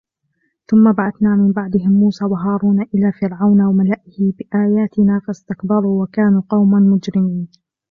ثُمَّ بَعَثْنَا مِنْ بَعْدِهِمْ مُوسَى وَهَارُونَ إِلَى فِرْعَوْنَ وَمَلَئِهِ بِآيَاتِنَا فَاسْتَكْبَرُوا وَكَانُوا قَوْمًا مُجْرِمِينَ